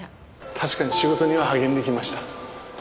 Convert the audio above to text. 確かに仕事には励んできました。